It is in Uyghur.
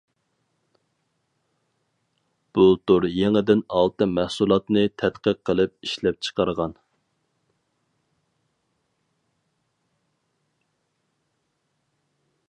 بۇلتۇر يېڭىدىن ئالتە مەھسۇلاتنى تەتقىق قىلىپ ئىشلەپچىقارغان.